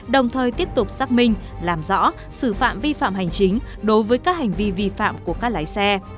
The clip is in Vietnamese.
đồng thời tiếp tục xác minh làm rõ xử phạt vi phạm hành chính đối với các hành vi vi phạm của các lái xe